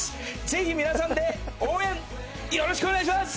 ぜひ皆さんで応援よろしくお願いします！